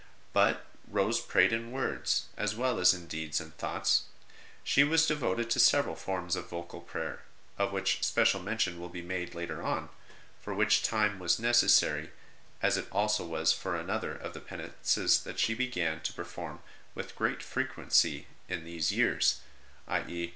But Rose prayed in words, as well as in deeds and thoughts ; she was devoted to several forms of vocal prayer, of which special mention will be made later on, for which time was necessary, as it also was for another of the penances that she began to perform with great frequency in these years, i.e.